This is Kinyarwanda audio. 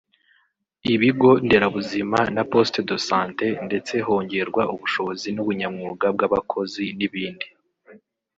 ibigo nderabuzima na Poste de Santé ndetse hongerwa ubushobozi n’ubunyamwuga bw’abakozi n’ibindi